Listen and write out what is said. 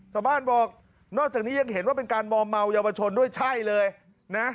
ชาวบ้านบอกนอกจากนี้ยังเห็นว่าเป็นการมอมเมาเยาวชนด้วยใช่เลยนะ